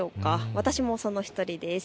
私もその１人です。